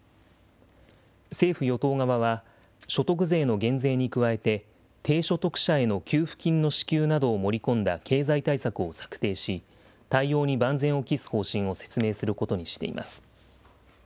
政府・与党側は、所得税の減税に加えて、低所得者への給付金の支給などを盛り込んだ経済対策を策定し、対応に万全を期す方針を説明することにしています。